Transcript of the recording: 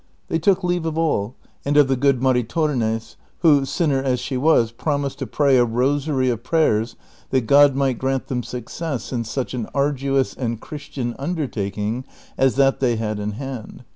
They took leave of all, and of the good Maritornes, who, sinner as she was, promised to pray a rosary of prayers that God might grant them success in such an arduous and Christian undertaking as that they had in hand.